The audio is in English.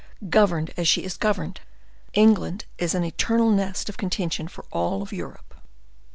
Governed as she is governed, England is an eternal nest of contention for all Europe.